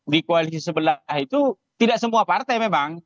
di koalisi sebelah itu tidak semua partai memang